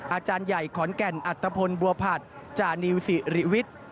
อาจารย์ใหญ่ขอนแก่นอัตภพลบัวผัดจานิวสิริวิทย์